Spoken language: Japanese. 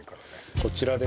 こちらです